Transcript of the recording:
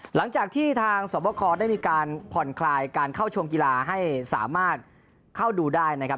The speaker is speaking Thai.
หลังจากที่ทางสวบคอได้มีการผ่อนคลายการเข้าชมกีฬาให้สามารถเข้าดูได้นะครับ